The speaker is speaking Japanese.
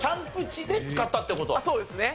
そうですね。